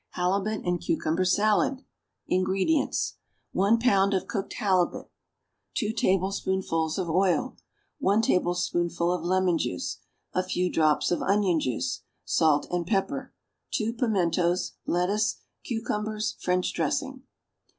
=Halibut and Cucumber Salad.= INGREDIENTS. 1 pound of cooked halibut. 2 tablespoonfuls of oil. 1 tablespoonful of lemon juice. A few drops of onion juice. Salt and pepper. 2 pimentos. Lettuce. Cucumbers. French dressing.